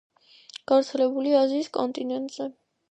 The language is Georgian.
გავრცელებულია აზიის კონტინენტზე.